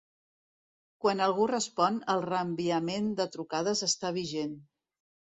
Quan algú respon, el reenviament de trucades està vigent.